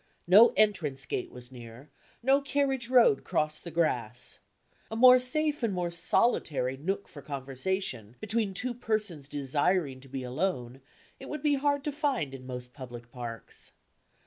No entrance gate was near; no carriage road crossed the grass. A more safe and more solitary nook for conversation, between two persons desiring to be alone, it would be hard to find in most public parks.